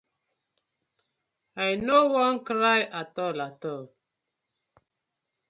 I no won cry atol atol.